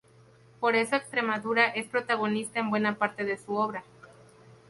Por eso Extremadura es protagonista en buena parte de su obra.